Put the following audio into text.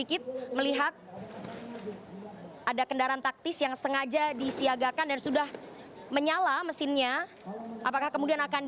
ini adalah kondisi di mh tamrin